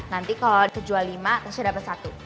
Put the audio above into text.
nanti kalau dijual lima tasya dapet satu